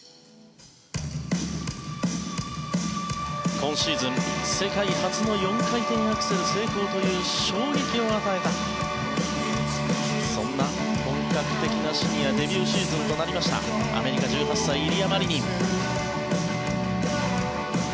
今シーズン、世界初の４回転アクセル成功という衝撃を与えたそんな本格的なシニアデビューシーズンとなりましたアメリカ、１８歳イリア・マリニン。